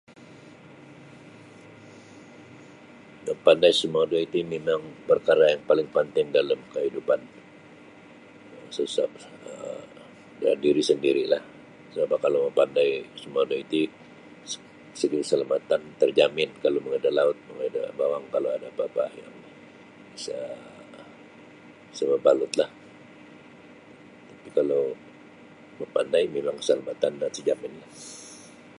Mapandai sumodoi ti mimang parkara' yang paling panting dalam kaidupan susah um da diri sandiri'lah sabap kalau mapandai sumodoi ti se segi' keselamatan terjamin kalau mongoi da laut mongoi da bawang kalau ada apa'-apa' yang isa' sa' mabalutlah tapi' kalau mapandai mimang keselamatan no terjaminlah.